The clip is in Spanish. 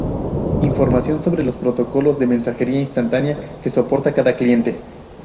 Información sobre los protocolos de mensajería instantánea que soporta cada cliente.